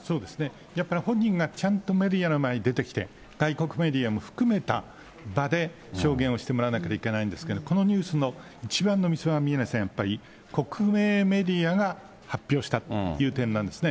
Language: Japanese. やっぱり本人がちゃんとメディアの前に出てきて、メディアも含めた場で、証言をしてもらわないといけないんですけれども、このニュースの一番の見えないのは国営メディアが発表したという点なんですね。